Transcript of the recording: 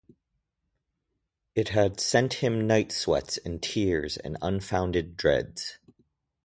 It had sent him night-sweats and tears and unfounded dreads.